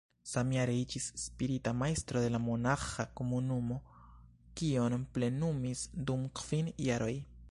Samjare iĝis spirita majstro de la monaĥa komunumo, kion plenumis dum kvin jaroj.